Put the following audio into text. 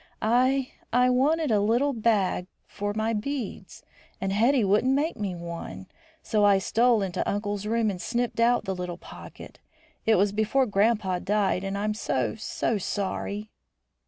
I I wanted a little bag for my beads, and Hetty wouldn't make me one; so I stole into uncle's room and snipped out the little pocket. It was before grandpa died, and I'm so so sorry."